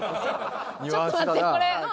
ちょっと待ってこれ。